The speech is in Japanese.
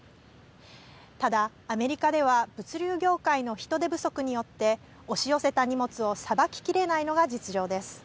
ただ、アメリカでは物流業界の人手不足によって、押し寄せた荷物をさばききれないのが実情です。